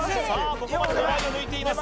ここまで５枚を抜いています